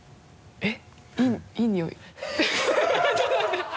えっ。